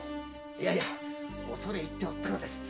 いや恐れ入っておったのです。